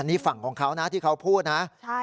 นี่ฝั่งของเขานะที่เขาพูดนะ